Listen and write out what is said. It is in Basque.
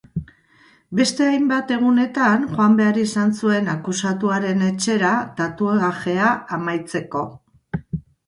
Beste hainbat egunetan joan behar izan zuen akusatuaren etxera tatuajea amaitzeko.